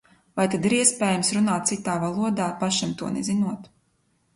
Vai tad ir iespējams runāt citā valodā, pašam to nezinot?